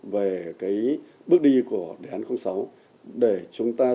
về cái bước đi của đề án sáu để chúng ta chuyển đổi số của xã hội số và công dân số